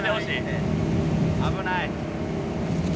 危ない。